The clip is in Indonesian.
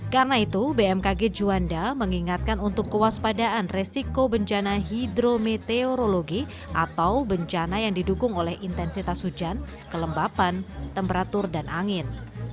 karena itu bmkg juanda mengingatkan untuk kewaspadaan resiko bencana hidrometeorologi atau bencana yang didukung oleh intensitas hujan kelembapan temperatur dan angin